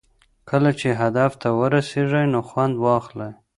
کله چې هدف ته ورسېږئ نو خوند واخلئ.